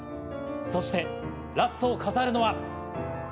そしてラストを飾るのは。